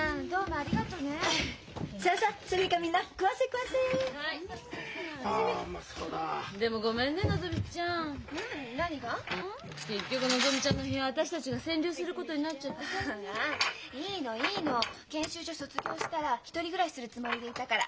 ああいいのいいの。研修所卒業したら１人暮らしするつもりでいたから。